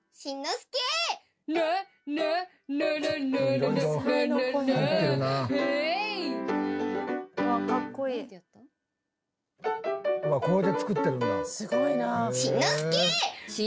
すごいな。